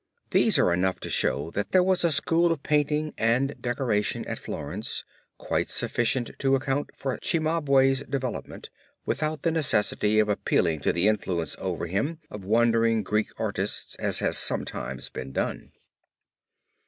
These are enough to show that there was a school of painting and decoration at Florence quite sufficient to account for Cimabue's development, without the necessity of appealing to the influence over him of wandering Greek artists as has sometimes been done.